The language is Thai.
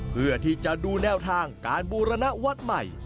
เพื่อที่จะดูแนวทางการบูรณวัดใหม่